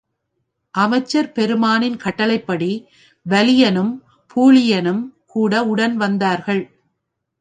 அமைச்சர் பெருமானின் கட்டளைப்படி வலியனும் பூழியனும் கூட உடன் வந்தார்கள்.